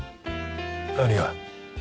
何が？